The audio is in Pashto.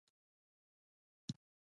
د هوا د سا ه ږغونه مې